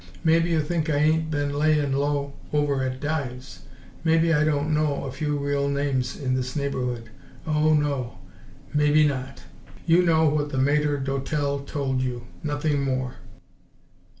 Maybe you think I ain't be'n layin' low over at Dives! Maybe I don't know a few real NAMES in this neighbourhood! Oh, no, MAYBE not!" "You know what the maitre d'hotel told you; nothing more."